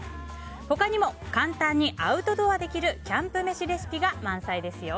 他にも簡単にアウトドアでできるキャンプ飯レシピが満載ですよ。